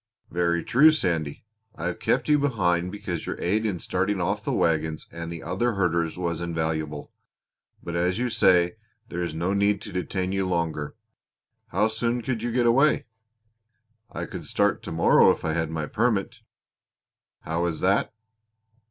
"Very true, Sandy. I have kept you behind because your aid in starting off the wagons and the other herders was invaluable. But, as you say, there is no need to detain you longer. How soon could you get away?" "I could start to morrow if I had my permit." "How is that?"